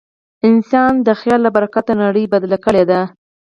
انسان د خیال له برکته نړۍ بدله کړې ده.